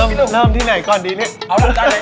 เราเริ่มที่ไหนก่อนดีนะ